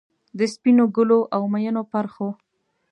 د سپینو ګلو، اومیینو پرخو،